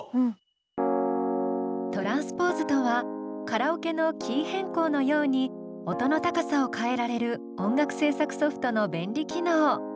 トランスポーズとはカラオケのキー変更のように音の高さを変えられる音楽制作ソフトの便利機能。